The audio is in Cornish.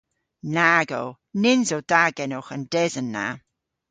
Nag o! Nyns o da genowgh an desen na.